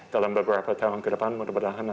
dalam beberapa tahun ke depan mudah mudahan